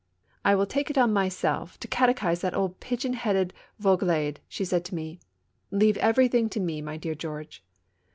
"I will take it on myself to catechise that old pig headed Vaiigelade," said she to me. " Leave everything to me, my dear George.